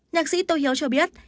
nhạc sĩ tô hiếu cho biết